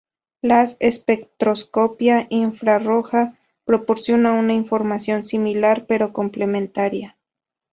La espectroscopia infrarroja proporciona una información similar, pero complementaria.